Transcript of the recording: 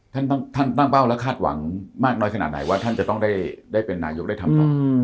ท่านตั้งเป้าและคาดหวังมากน้อยขนาดไหนว่าท่านจะต้องได้เป็นนายกได้ทำต่อ